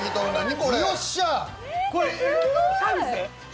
これサービスで？